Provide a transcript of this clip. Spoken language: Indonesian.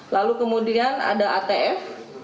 lalu kemudian ada atf